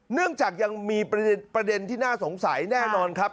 เนื่องจากยังมีประเด็นที่น่าสงสัยแน่นอนครับ